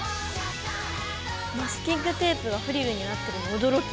マスキングテープがフリルになってるの驚き！